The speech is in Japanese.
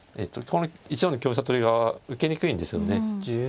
この１四の香車取りが受けにくいんですよね。